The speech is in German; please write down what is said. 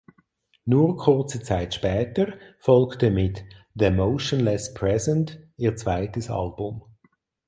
Nur kurze Zeit später folgte mit "The Motionless Present" ihr zweites Album.